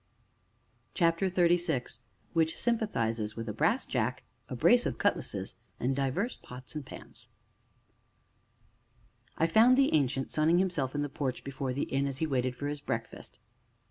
CHAPTER XXXVI WHICH SYMPATHIZES WITH A BRASS JACK, A BRACE OF CUTLASSES, AND DIVERS POTS AND PANS I found the Ancient sunning himself in the porch before the inn, as he waited for his breakfast.